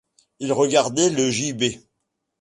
Il regardait le gibet.